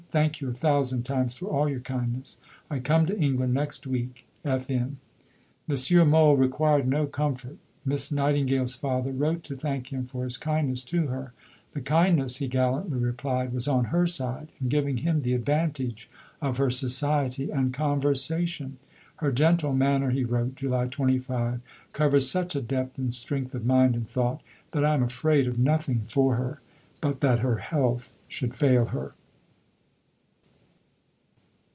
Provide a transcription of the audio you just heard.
Thank you a thousand times for all your kindness. I come to England next week. F. N. M. Mohl required no comfort. Miss Nightingale's father wrote to thank him for his kindness to her. The kindness, he gallantly replied, was on her side in giving him the advantage of her society and conversation. "Her gentle manner," he wrote (July 25), "covers such a depth and strength of mind and thought, that I am afraid of nothing for her, but that her health should fail her."